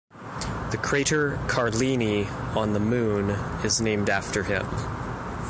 The crater Carlini on the Moon is named after him.